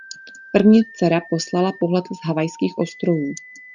První dcera poslala pohled z Havajských ostrovů.